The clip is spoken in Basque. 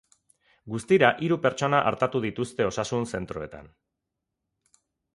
Guztira, hiru pertsona artatu dituzte osasun zentroetan.